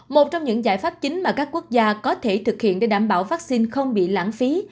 một trong những giải pháp chính mà các quốc gia có thể thực hiện để đảm bảo vaccine không bị lãng phí